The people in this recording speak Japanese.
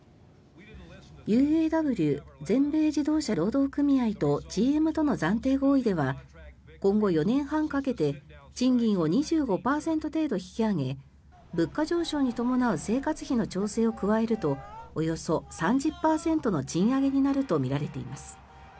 ＵＡＷ・全米自動車労働組合とＧＭとの暫定合意では今後４年半かけて賃金を２５％程度引き上げ物価上昇に伴う生活費の調整を加えるとおよそ３０％の賃上げになるとみられています。